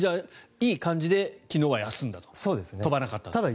いい感じで昨日は休んだと飛ばなかったと。